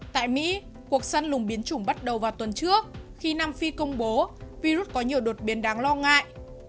tại mỹ cuộc săn lùng biến chủng bắt đầu vào tuần trước khi nam phi công bố virus có nhiều đột biến đáng lo ngại